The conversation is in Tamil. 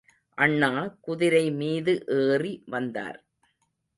அண்ணா குதிரை மீது ஏறி வந்தார்.